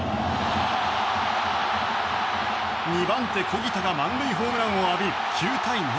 ２番手、小木田が満塁ホームランを浴び９対７。